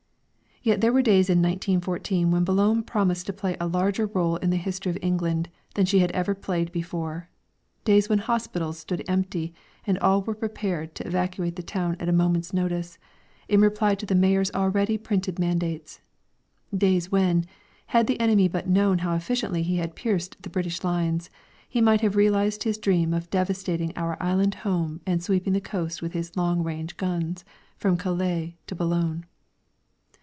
Yet there were days in 1914 when Boulogne promised to play a larger rôle in the history of England than she had ever played before days when hospitals stood empty and all were prepared to evacuate the town at a moment's notice, in reply to the mayor's already printed mandates days when, had the enemy but known how efficiently he had pierced the British lines, he might have realised his dream of devastating our island home and sweeping the coast with his long range guns from Calais to Boulogne.